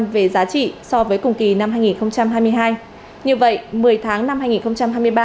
ba mươi năm về giá trị so với cùng kỳ năm hai nghìn hai mươi hai như vậy một mươi tháng năm hai nghìn hai mươi ba